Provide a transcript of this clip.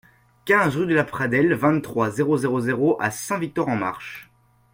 quinze rue de La Pradelle, vingt-trois, zéro zéro zéro à Saint-Victor-en-Marche